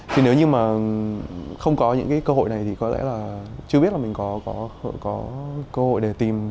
thì nếu như mà không có những cái cơ hội này thì có lẽ là chưa biết là mình có cơ hội để tìm